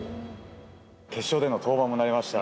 決勝での登板もありました。